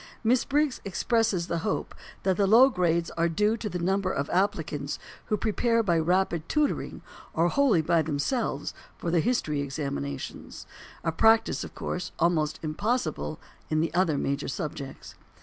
Miss Briggs expresses the hope that the low grades are due to the number of applicants who prepare by rapid tutoring or wholly by themselves for the history examinations; a practice, of course, almost impossible in the other major subjects.